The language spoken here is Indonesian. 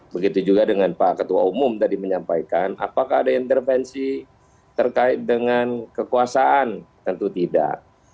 begitu juga dengan pak ketua umum tadi menyampaikan apakah ada intervensi terkait dengan kekuasaan tentu tidak